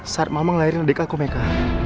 saat mama ngelahirin adik aku meka